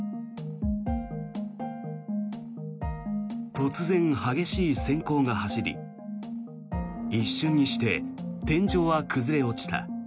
突然、激しい閃光が走り一瞬にして天井は崩れ落ちた。